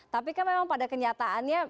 tapi kan memang pada kenyataannya